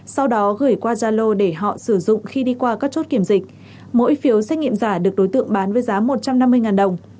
sau đó gửi qua gia lô để họ sử dụng khi đi qua các chốt kiểm dịch mỗi phiếu xét nghiệm giả được đối tượng bán với giá một trăm năm mươi đồng